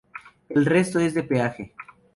El resto es de peaje.